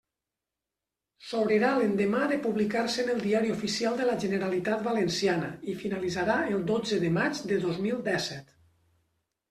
S'obrirà l'endemà de publicar-se en el Diari Oficial de la Generalitat Valenciana i finalitzarà el dotze de maig de dos mil dèsset.